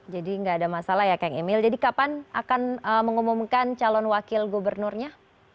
jadi tidak ada masalah ya kang emil jadi kapan akan mengumumkan calon wakil gubernurnya